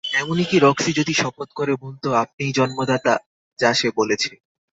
এমনি কী রক্সি যদি শপথ করে বলত আপনিই জন্মদাতা, যা সে বলেছে।